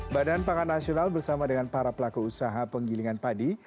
badan pangan nasional bersama dengan para pelaku usaha penggilingan padi